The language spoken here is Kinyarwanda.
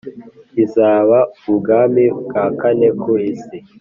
izaba ubwami bwa kane ku isi